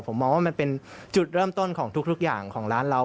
ผมมองว่ามันเป็นจุดเริ่มต้นของทุกอย่างของร้านเรา